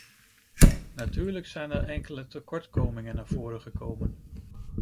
Natuurlijk zijn er enkele tekortkomingen naar voren gekomen.